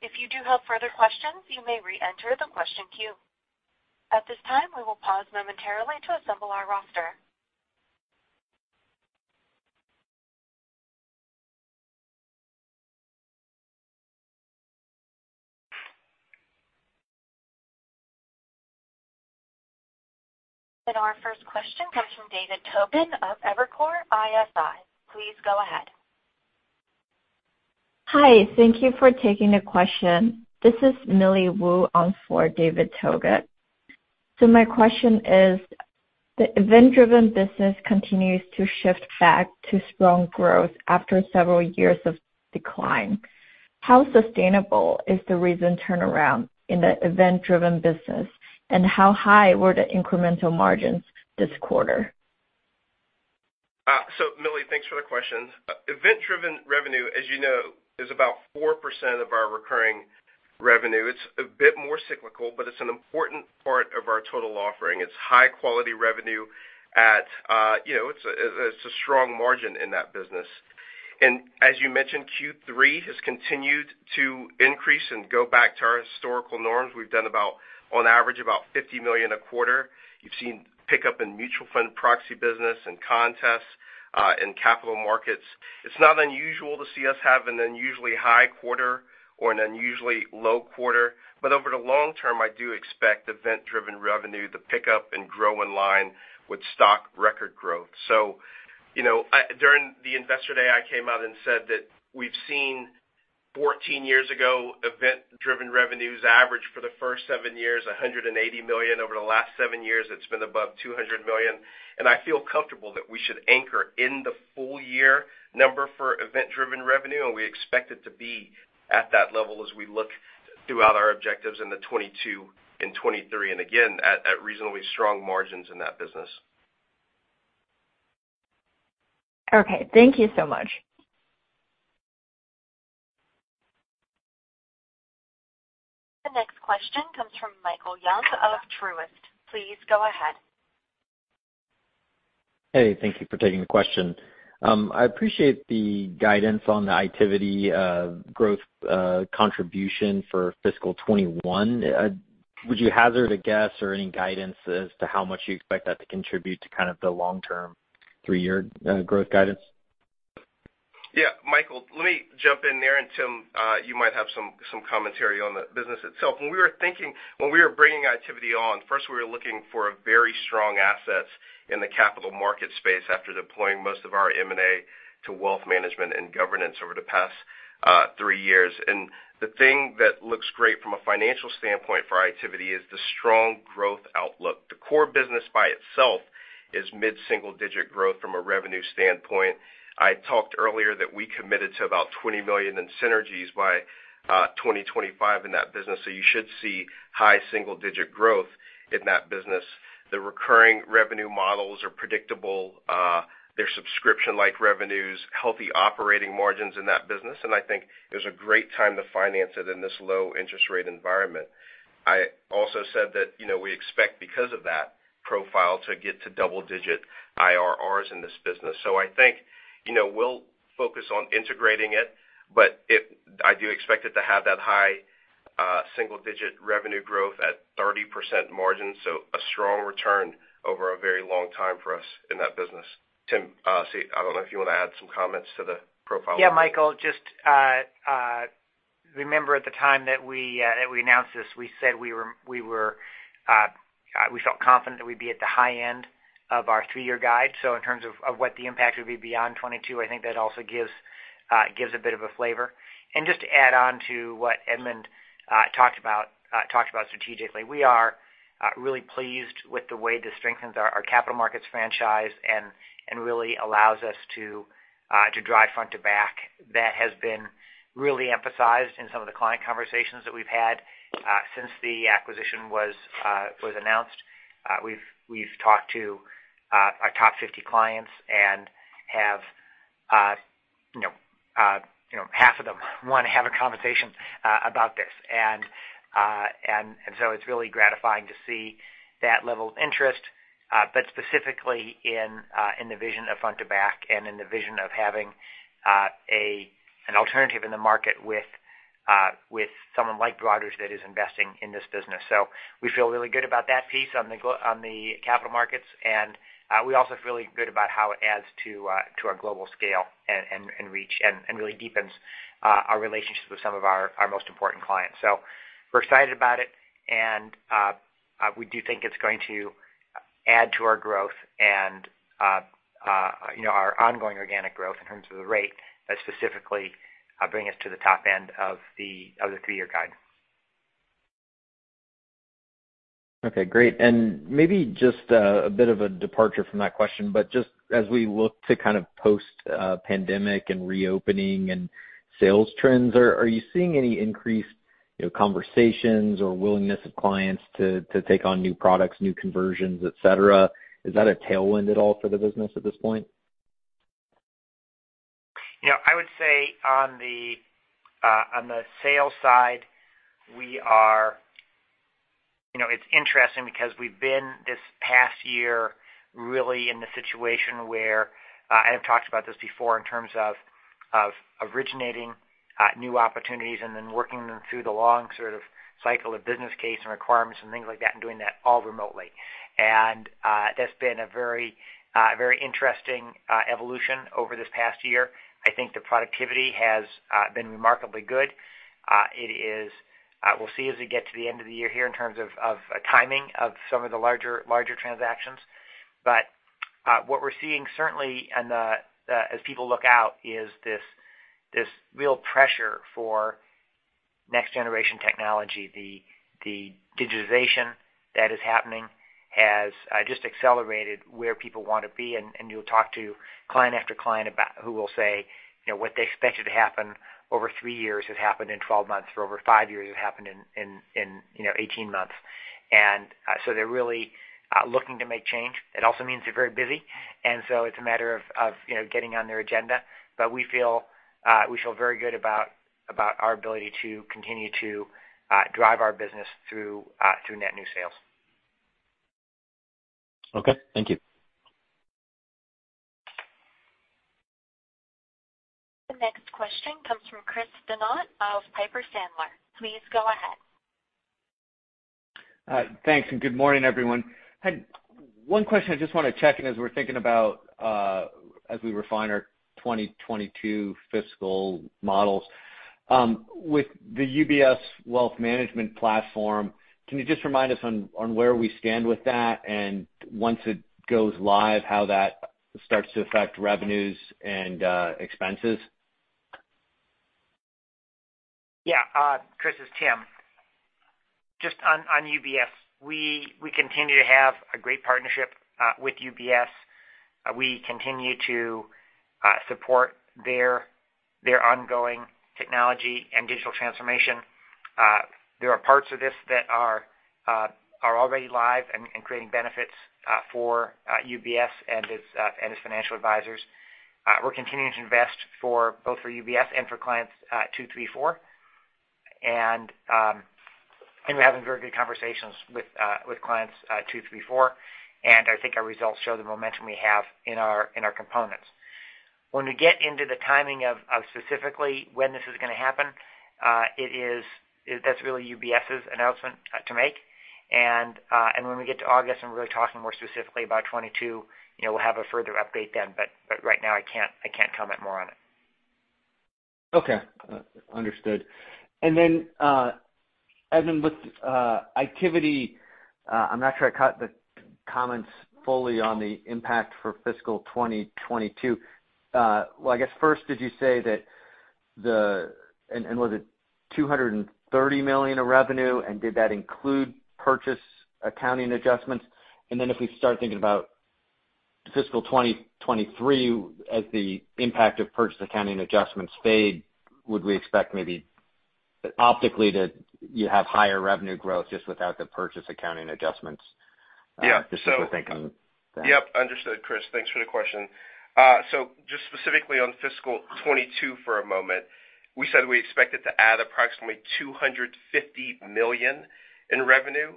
If you do have further questions, you may re-enter the question queue. At this time, we will pause momentarily to assemble our roster. Our first question comes from David Togut of Evercore ISI. Please go ahead. Hi. Thank you for taking the question. This is Millie Wu on for David Togut. My question is, the event-driven business continues to shift back to strong growth after several years of decline. How sustainable is the recent turnaround in the event-driven business, and how high were the incremental margins this quarter? Millie, thanks for the question. Event-driven revenue, as you know, is about 4% of our recurring revenue. It's a bit more cyclical, it's an important part of our total offering. It's high-quality revenue. It's a strong margin in that business. As you mentioned, Q3 has continued to increase and go back to our historical norms. We've done about, on average, about $50 million a quarter. You've seen pickup in mutual fund proxy business and contests, and capital markets. It's not unusual to see us have an unusually high quarter or an unusually low quarter. Over the long term, I do expect event-driven revenue to pick up and grow in line with stock record growth. During the Investor Day, I came out and said that we've seen 14 years ago, event-driven revenues average for the first seven years, $180 million. Over the last seven years, it's been above $200 million, and I feel comfortable that we should anchor in the full year number for event-driven revenue, and we expect it to be at that level as we look throughout our objectives in 2022 and 2023, and again, at reasonably strong margins in that business. Okay. Thank you so much. The next question comes from Michael Young of Truist. Please go ahead. Hey, thank you for taking the question. I appreciate the guidance on the Itiviti growth contribution for fiscal 2021. Would you hazard a guess or any guidance as to how much you expect that to contribute to kind of the long-term three-year growth guidance? Yeah, Michael, let me jump in there, and Tim, you might have some commentary on the business itself. When we were bringing Itiviti on, first, we were looking for very strong assets in the capital market space after deploying most of our M&A to wealth management and governance over the past three years. The thing that looks great from a financial standpoint for Itiviti is the strong growth. The core business by itself is mid-single-digit growth from a revenue standpoint. I talked earlier that we committed to about $20 million in synergies by 2025 in that business. You should see high single-digit growth in that business. The recurring revenue models are predictable. They're subscription-like revenues, healthy operating margins in that business, and I think it is a great time to finance it in this low interest rate environment. I also said that we expect because of that profile to get to double-digit IRRs in this business. I think we'll focus on integrating it, but I do expect it to have that high single-digit revenue growth at 30% margin. A strong return over a very long time for us in that business. Tim, I don't know if you want to add some comments to the profile. Michael, just remember at the time that we announced this, we said we felt confident that we'd be at the high end of our three-year guide. In terms of what the impact would be beyond 2022, I think that also gives a bit of a flavor. Just to add on to what Edmund talked about strategically, we are really pleased with the way this strengthens our capital markets franchise and really allows us to drive front to back. That has been really emphasized in some of the client conversations that we've had since the acquisition was announced. We've talked to our top 50 clients and half of them want to have a conversation about this. It's really gratifying to see that level of interest, but specifically in the vision of front to back and in the vision of having an alternative in the market with someone like Broadridge that is investing in this business. We feel really good about that piece on the capital markets, and we also feel really good about how it adds to our global scale and reach and really deepens our relationships with some of our most important clients. We're excited about it, and we do think it's going to add to our growth and our ongoing organic growth in terms of the rate that specifically bring us to the top end of the three-year guide. Okay, great. Maybe just a bit of a departure from that question, but just as we look to kind of post-pandemic and reopening and sales trends, are you seeing any increased conversations or willingness of clients to take on new products, new conversions, et cetera? Is that a tailwind at all for the business at this point? I would say on the sales side, it's interesting because we've been this past year really in the situation where, and I've talked about this before in terms of originating new opportunities and then working them through the long sort of cycle of business case and requirements and things like that, and doing that all remotely. That's been a very interesting evolution over this past year. I think the productivity has been remarkably good. We'll see as we get to the end of the year here in terms of timing of some of the larger transactions. What we're seeing certainly, and as people look out, is this real pressure for next generation technology. The digitization that is happening has just accelerated where people want to be, and you'll talk to client after client who will say what they expected to happen over three years has happened in 12 months or over five years has happened in 18 months. They're really looking to make change. It also means they're very busy, and so it's a matter of getting on their agenda. We feel very good about our ability to continue to drive our business through net new sales. Okay. Thank you. The next question comes from Chris Donat of Piper Sandler. Please go ahead. Thanks, good morning, everyone. One question I just want to check in as we're thinking about as we refine our 2022 fiscal models. With the UBS wealth management platform, can you just remind us on where we stand with that and once it goes live, how that starts to affect revenues and expenses? Yeah. Chris, it's Tim. Just on UBS, we continue to have a great partnership with UBS. We continue to support their ongoing technology and digital transformation. There are parts of this that are already live and creating benefits for UBS and its financial advisors. We're continuing to invest both for UBS and for clients two, three, four. We're having very good conversations with clients two, three, four, and I think our results show the momentum we have in our components. When we get into the timing of specifically when this is going to happen, that's really UBS's announcement to make. When we get to August and we're really talking more specifically about 2022, we'll have a further update then, but right now I can't comment more on it. Okay. Understood. Then, Edmund, with activity, I'm not sure I caught the comments fully on the impact for fiscal 2022. I guess first, did you say that was it $230 million of revenue? Did that include purchase accounting adjustments? Then if we start thinking about fiscal 2023 as the impact of purchase accounting adjustments fade, would we expect maybe optically that you have higher revenue growth just without the purchase accounting adjustments? Yeah. Just so we're thinking that. Yep. Understood, Chris. Thanks for the question. Specifically on fiscal 2022 for a moment, we said we expected to add approximately $250 million in revenue.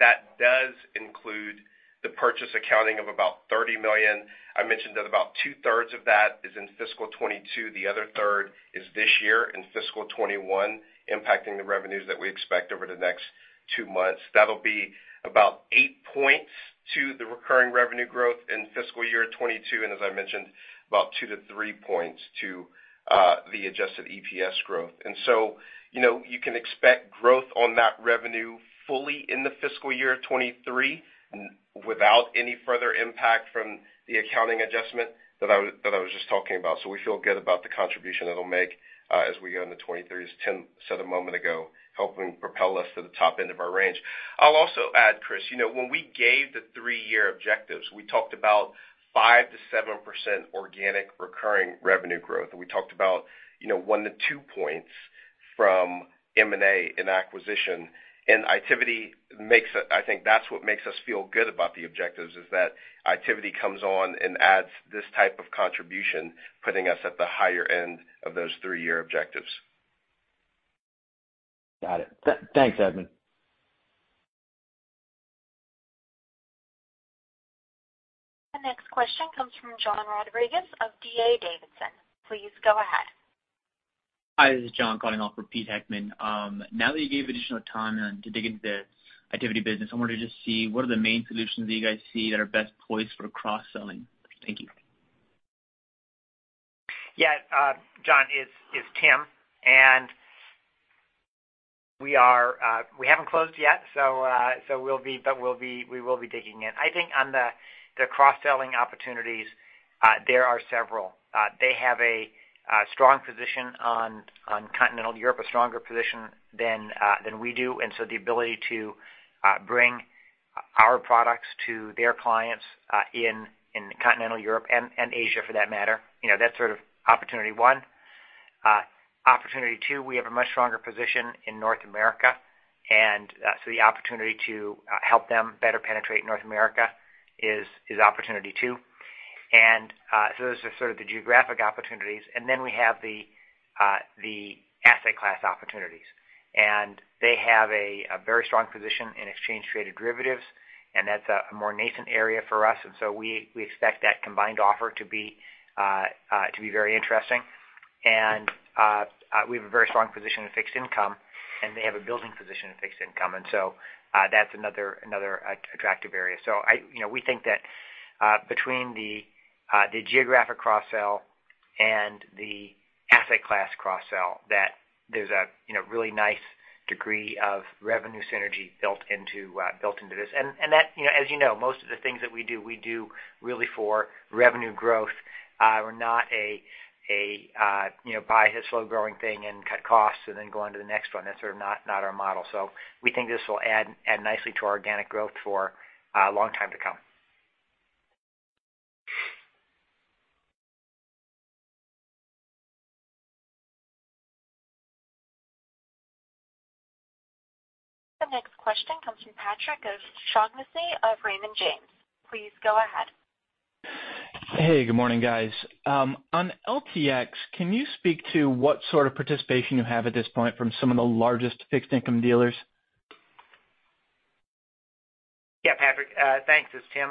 That does include the purchase accounting of about $30 million. I mentioned that about 2/3 of that is in fiscal 2022. The other 1/3 is this year in fiscal 2021, impacting the revenues that we expect over the next two months. That'll be about eight points to the recurring revenue growth in fiscal year 2022. As I mentioned, about 2-3 points to the adjusted EPS growth. You can expect growth on that revenue fully in the fiscal year 2023 without any further impact from the accounting adjustment that I was just talking about. We feel good about the contribution it'll make as we go into 2023, as Tim said a moment ago, helping propel us to the top end of our range. I'll also add, Chris, when we gave the three-year objectives, we talked about 5%-7% organic recurring revenue growth. We talked about 1-2 points from M&A and acquisition. Itiviti, I think that's what makes us feel good about the objectives, is that Itiviti comes on and adds this type of contribution, putting us at the higher end of those three-year objectives. Got it. Thanks, Edmund. The next question comes from John Rodriguez of D.A. Davidson. Please go ahead. Hi, this is John calling off for Peter Heckmann. Now that you gave additional time then to dig into the Itiviti business, I wanted to just see, what are the main solutions that you guys see that are best poised for cross-selling? Thank you. Yeah. John, it's Tim, and we haven't closed yet, but we will be digging in. I think on the cross-selling opportunities, there are several. They have a strong position on continental Europe, a stronger position than we do. The ability to bring our products to their clients in continental Europe and Asia, for that matter, that's sort of opportunity one. Opportunity two, we have a much stronger position in North America. The opportunity to help them better penetrate North America is opportunity two. Those are sort of the geographic opportunities. We have the asset class opportunities. They have a very strong position in exchange traded derivatives, and that's a more nascent area for us. We expect that combined offer to be very interesting. We have a very strong position in fixed income, and they have a building position in fixed income. That's another attractive area. We think that between the geographic cross-sell and the asset class cross-sell, that there's a really nice degree of revenue synergy built into this. As you know, most of the things that we do, we do really for revenue growth. We're not a buy this slow-growing thing and cut costs and then go on to the next one. That's sort of not our model. We think this will add nicely to our organic growth for a long time to come. The next question comes from Patrick O'Shaughnessy of Raymond James. Please go ahead. Hey, good morning, guys. On LTX, can you speak to what sort of participation you have at this point from some of the largest fixed income dealers? Yeah, Patrick. Thanks. It's Tim.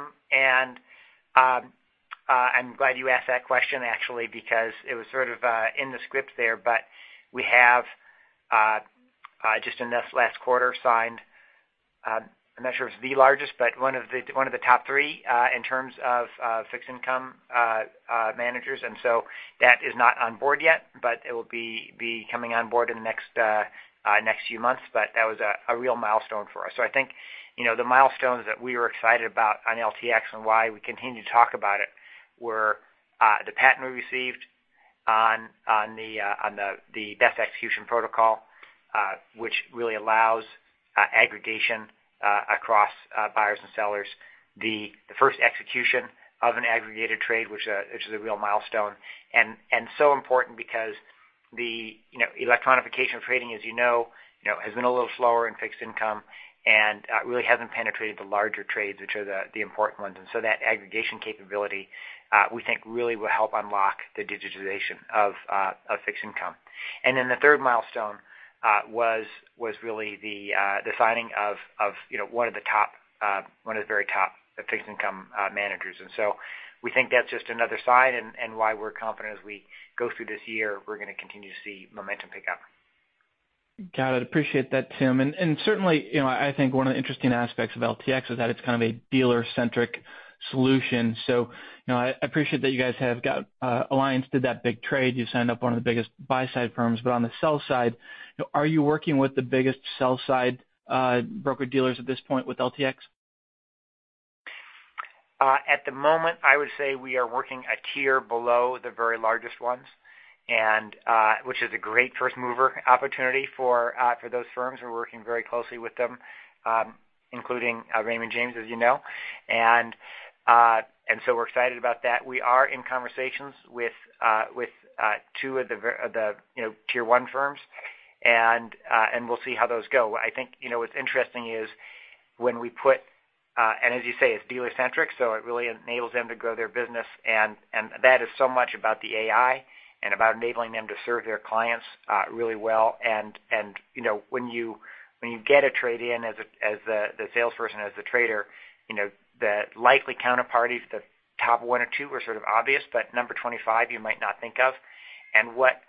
I'm glad you asked that question, actually, because it was sort of in the script there, but we have, just in this last quarter, signed, I'm not sure it's the largest, but one of the top three in terms of fixed income managers. That is not on board yet, but it will be coming on board in the next few months. That was a real milestone for us. I think, the milestones that we were excited about on LTX and why we continue to talk about it were the patent we received on the best execution protocol, which really allows aggregation across buyers and sellers. The first execution of an aggregated trade, which is a real milestone, and so important because the electronification of trading, as you know, has been a little slower in fixed income and really hasn't penetrated the larger trades, which are the important ones. That aggregation capability, we think, really will help unlock the digitization of fixed income. Then the third milestone was really the signing of one of the very top fixed income managers. We think that's just another sign and why we're confident as we go through this year, we're going to continue to see momentum pick up. Got it. Appreciate that, Tim. Certainly, I think one of the interesting aspects of LTX is that it's kind of a dealer-centric solution. I appreciate that you guys have got Alliance did that big trade. You signed up one of the biggest buy-side firms. On the sell side, are you working with the biggest sell-side broker-dealers at this point with LTX? At the moment, I would say we are working a tier below the very largest ones, which is a great first-mover opportunity for those firms. We're working very closely with them, including Raymond James, as you know. We're excited about that. We are in conversations with two of the tier one firms, and we'll see how those go. I think what's interesting is as you say, it's dealer-centric, so it really enables them to grow their business, and that is so much about the AI and about enabling them to serve their clients really well. When you get a trade-in as the salesperson, as the trader, the likely counterparties, the top one or two are sort of obvious, but number 25 you might not think of. What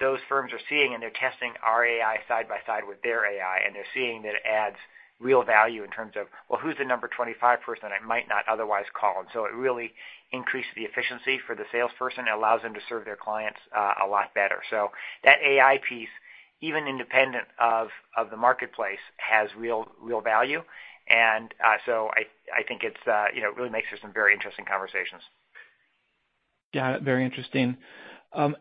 those firms are seeing, and they're testing our AI side by side with their AI, and they're seeing that it adds real value in terms of, well, who's the number 25 person I might not otherwise call? It really increased the efficiency for the salesperson. It allows them to serve their clients a lot better. That AI piece, even independent of the marketplace, has real value. I think it really makes for some very interesting conversations. Got it. Very interesting.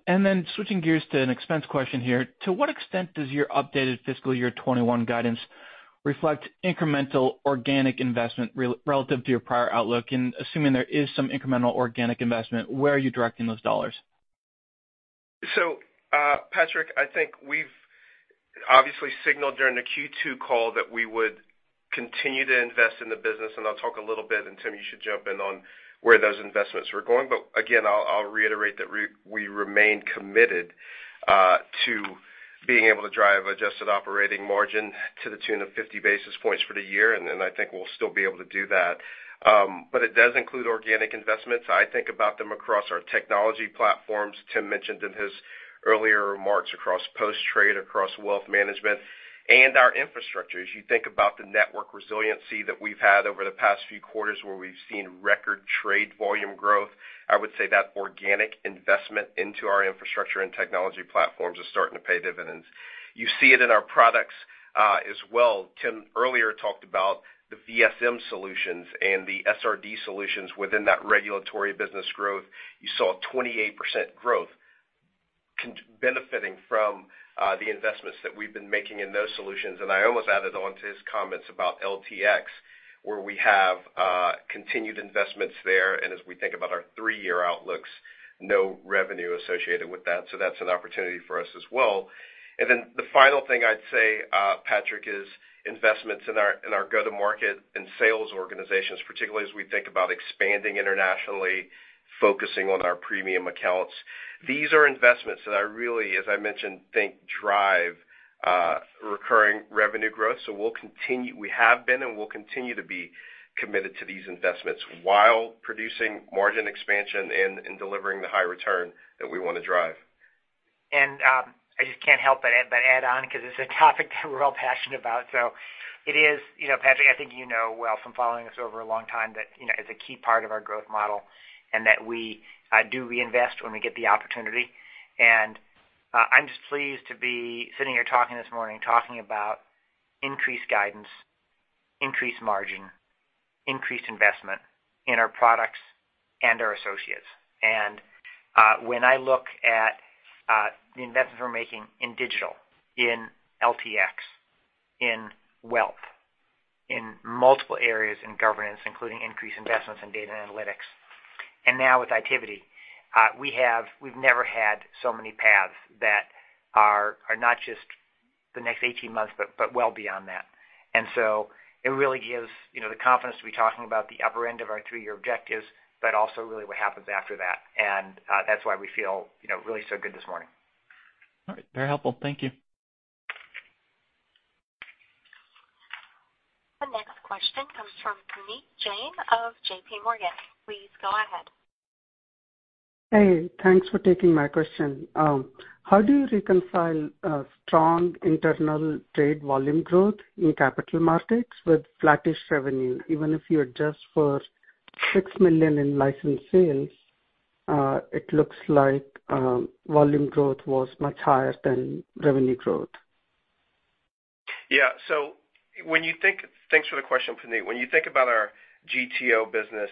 Then switching gears to an expense question here. To what extent does your updated fiscal year 2021 guidance reflect incremental organic investment relative to your prior outlook? Assuming there is some incremental organic investment, where are you directing those dollars? Patrick, I think we've obviously signaled during the Q2 call that we would continue to invest in the business, and I'll talk a little bit, and Tim, you should jump in on where those investments were going. Again, I'll reiterate that we remain committed to being able to drive adjusted operating margin to the tune of 50 basis points for the year. I think we'll still be able to do that. It does include organic investments. I think about them across our technology platforms. Tim mentioned in his earlier remarks across post-trade, across wealth management, and our infrastructure. As you think about the network resiliency that we've had over the past few quarters where we've seen record trade volume growth, I would say that organic investment into our infrastructure and technology platforms is starting to pay dividends. You see it in our products as well. Tim earlier talked about the VSM solutions and the SRD solutions within that regulatory business growth. You saw a 28% growth benefiting from the investments that we've been making in those solutions. I almost added on to his comments about LTX, where we have continued investments there, and as we think about our three-year outlooks, no revenue associated with that. That's an opportunity for us as well. The final thing I'd say, Patrick, is investments in our go-to-market and sales organizations, particularly as we think about expanding internationally, focusing on our premium accounts. These are investments that I really, as I mentioned, think drive recurring revenue growth. We have been and will continue to be committed to these investments while producing margin expansion and delivering the high return that we want to drive. I just can't help but add on because it's a topic that we're all passionate about. It is, Patrick, I think you know well from following us over a long time that it's a key part of our growth model and that we do reinvest when we get the opportunity. I'm just pleased to be sitting here talking this morning, talking about increased guidance, increased margin, increased investment in our products and our associates. When I look at the investments we're making in digital, in LTX, in wealth, in multiple areas in governance, including increased investments in data and analytics. Now with Itiviti, we've never had so many paths that are not just the next 18 months but well beyond that. It really gives the confidence to be talking about the upper end of our three-year objectives, but also really what happens after that. That's why we feel really so good this morning. All right. Very helpful. Thank you. The next question comes from Puneet Jain of JPMorgan. Please go ahead. Hey, thanks for taking my question. How do you reconcile strong internal trade volume growth in capital markets with flattish revenue? Even if you adjust for $6 million in license sales, it looks like volume growth was much higher than revenue growth. Yeah. Thanks for the question, Puneet. When you think about our GTO business,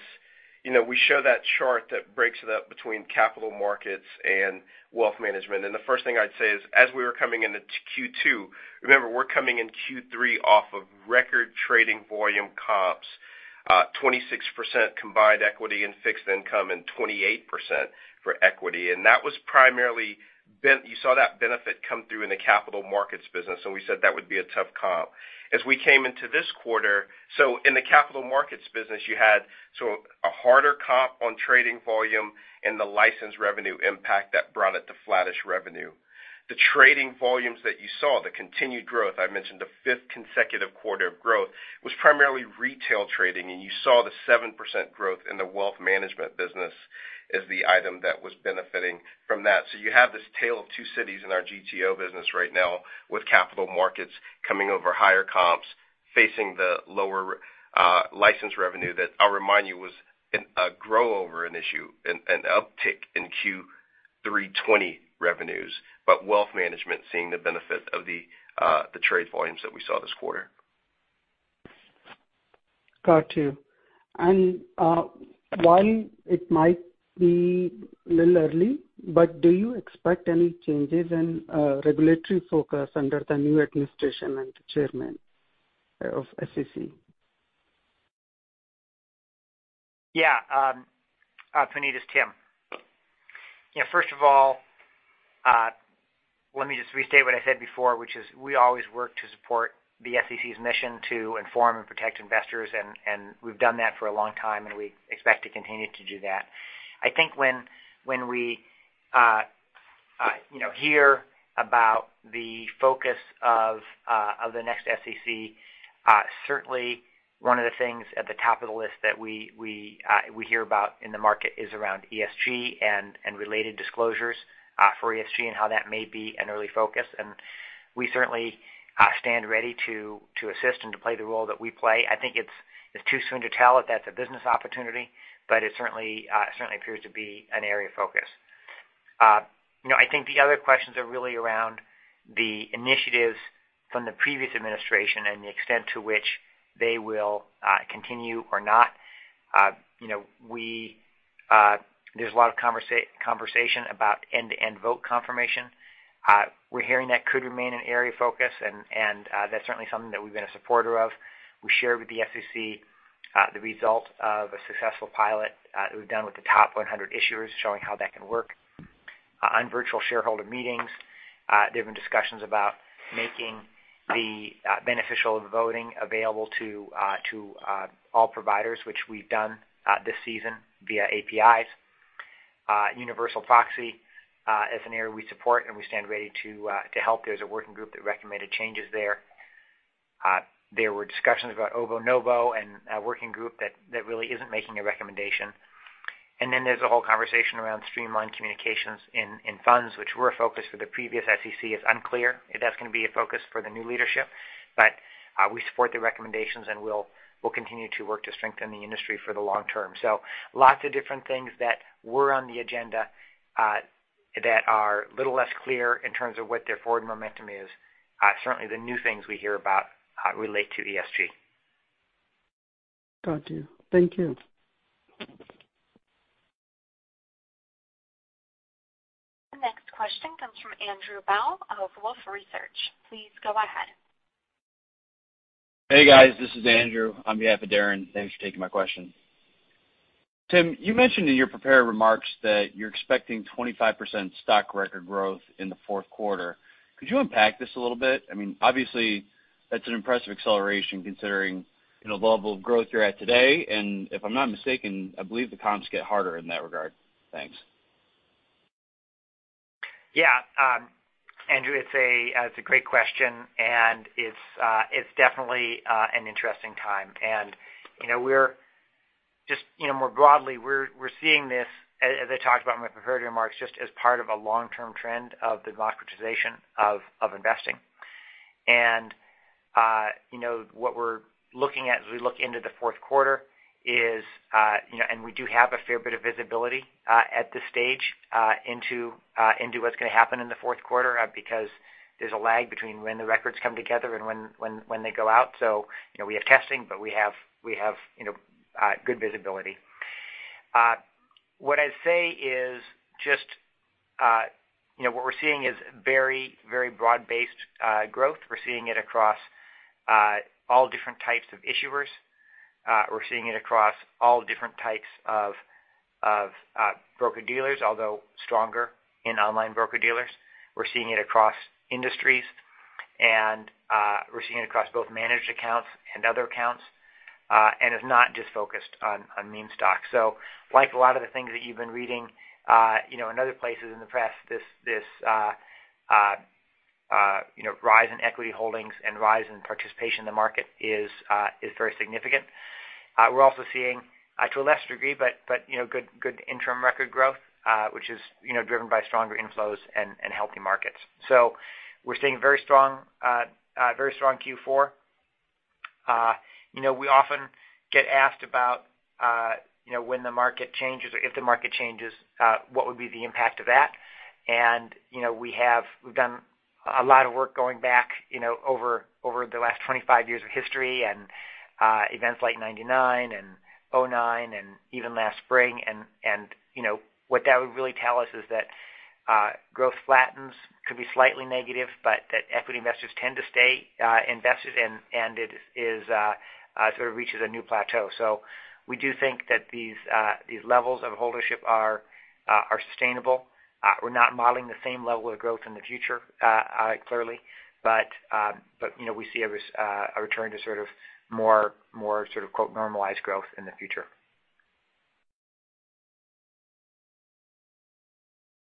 we show that chart that breaks it up between capital markets and wealth management. The first thing I'd say is, as we were coming into Q2, remember we're coming in Q3 off of record trading volume comps, 26% combined equity and fixed income and 28% for equity. You saw that benefit come through in the capital markets business, and we said that would be a tough comp. So in the capital markets business, you had a harder comp on trading volume and the license revenue impact that brought it to flattish revenue. The trading volumes that you saw, the continued growth, I mentioned the 5th consecutive quarter of growth, was primarily retail trading, and you saw the 7% growth in the Wealth Management business as the item that was benefiting from that. You have this tale of two cities in our GTO business right now with capital markets coming over higher comps, facing the lower license revenue that I'll remind you was a grow over an issue, an uptick in Q3 2020 revenues, but Wealth Management seeing the benefit of the trade volumes that we saw this quarter. Got you. While it might be a little early, but do you expect any changes in regulatory focus under the new administration and the chairman of SEC? Yeah. Puneet, it's Tim. First of all, let me just restate what I said before, which is we always work to support the SEC's mission to inform and protect investors, and we've done that for a long time, and we expect to continue to do that. I think when we hear about the focus of the next SEC, certainly one of the things at the top of the list that we hear about in the market is around ESG and related disclosures for ESG and how that may be an early focus. We certainly stand ready to assist and to play the role that we play. I think it's too soon to tell if that's a business opportunity, but it certainly appears to be an area of focus. I think the other questions are really around the initiatives from the previous administration and the extent to which they will continue or not. There's a lot of conversation about end-to-end vote confirmation. We're hearing that could remain an area of focus, and that's certainly something that we've been a supporter of. We shared with the SEC the result of a successful pilot that we've done with the top 100 issuers, showing how that can work. On virtual shareholder meetings, there have been discussions about making the beneficial voting available to all providers, which we've done this season via APIs. Universal proxy is an area we support, and we stand ready to help. There's a working group that recommended changes there. There were discussions about OBO/NOBO and a working group that really isn't making a recommendation. Then there's a whole conversation around streamlined communications in funds, which were a focus for the previous SEC. It's unclear if that's going to be a focus for the new leadership. We support the recommendations, and we'll continue to work to strengthen the industry for the long term. Lots of different things that were on the agenda that are a little less clear in terms of what their forward momentum is. Certainly, the new things we hear about relate to ESG. Got you. Thank you. The next question comes from Andrew Bell of Wolfe Research. Please go ahead. Hey, guys. This is Andrew on behalf of Darrin. Thanks for taking my question. Tim, you mentioned in your prepared remarks that you're expecting 25% stock record growth in the fourth quarter. Could you unpack this a little bit? I mean, obviously, that's an impressive acceleration considering the level of growth you're at today, and if I'm not mistaken, I believe the comps get harder in that regard. Thanks. Andrew, it's a great question, and it's definitely an interesting time. More broadly, we're seeing this, as I talked about in my prepared remarks, just as part of a long-term trend of the democratization of investing. What we're looking at as we look into the fourth quarter is, and we do have a fair bit of visibility at this stage into what's going to happen in the fourth quarter because there's a lag between when the records come together and when they go out. We have testing, but we have good visibility. What I'd say is just what we're seeing is very broad-based growth. We're seeing it across all different types of issuers. We're seeing it across all different types of broker-dealers, although stronger in online broker-dealers. We're seeing it across industries, and we're seeing it across both managed accounts and other accounts. It's not just focused on meme stocks. Like a lot of the things that you've been reading in other places in the press, this rise in equity holdings and rise in participation in the market is very significant. We're also seeing to a lesser degree, but good interim record growth, which is driven by stronger inflows and healthy markets. We're seeing very strong Q4. We often get asked about when the market changes or if the market changes, what would be the impact of that. We've done a lot of work going back over the last 25 years of history and events like 1999 and 2009 and even last spring. What that would really tell us is that growth flattens, could be slightly negative, but that equity investors tend to stay invested, and it sort of reaches a new plateau. We do think that these levels of holdership are sustainable. We're not modeling the same level of growth in the future clearly. We see a return to sort of more sort of quote, normalized growth in the future.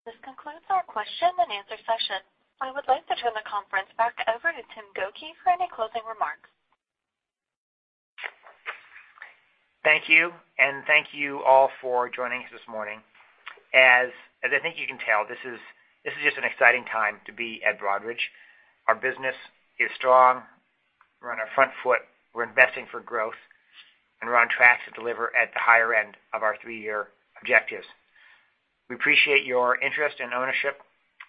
This concludes our question and answer session. I would like to turn the conference back over to Tim Gokey for any closing remarks. Thank you. Thank you all for joining us this morning. As I think you can tell, this is just an exciting time to be at Broadridge. Our business is strong. We're on our front foot. We're investing for growth, and we're on track to deliver at the higher end of our three-year objectives. We appreciate your interest and ownership,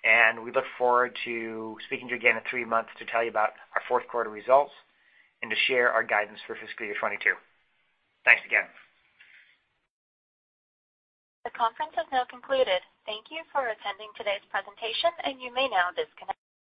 and we look forward to speaking to you again in three months to tell you about our fourth quarter results and to share our guidance for fiscal year 2022. Thanks again. The conference has now concluded. Thank you for attending today's presentation, and you may now disconnect.